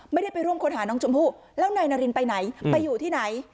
ไม่ได้ไปร่วมค้นหาน้องชมพู่แล้วนายนารินไปไหนไปอยู่ที่ไหน